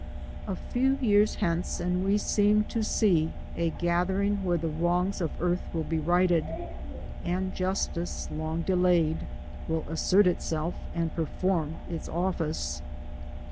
A few years hence and we seem to see a gather ing where the wrongs of earth will be righted, and Justice, long delayed, will assert itself, and perform its office.